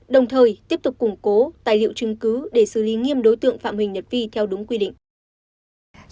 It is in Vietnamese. đồng thời tiếp tục củng cố tài liệu chứng cứ để xử lý nghiêm đối tượng phạm huỳnh nhật vi theo đúng quy định